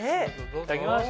いただきます！